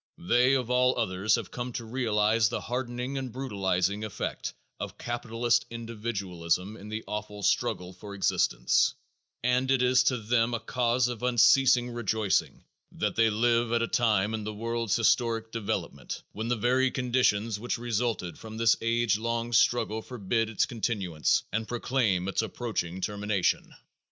They of all others have come to realize the hardening and brutalizing effect of capitalist individualism in the awful struggle for existence and it is to them a cause of unceasing rejoicing that they live at a time in the world's historic development when the very conditions which resulted from this age long struggle forbid its continuance and proclaim its approaching termination.